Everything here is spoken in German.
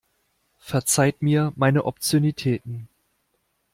Verzeiht mir meine Obszönitäten.